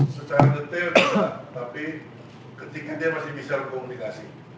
secara detail tapi ketika dia masih bisa berkomunikasi